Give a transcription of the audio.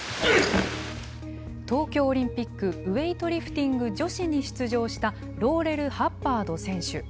東京オリンピックウエイトリフティング女子に出場したローレル・ハッバード選手。